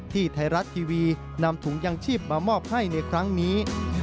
ที่ไทยรัฐทีวีนำถุงยังชีพมามอบให้ในครั้งนี้